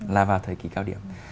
là vào thời kỳ cao điểm